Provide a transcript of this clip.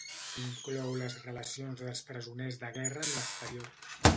Inclou les relacions dels presoners de guerra amb l'exterior.